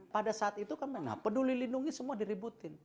pada saat itu kemana peduli lindungi semua diributin